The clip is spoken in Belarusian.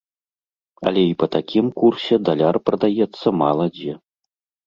Але і па такім курсе даляр прадаецца мала дзе.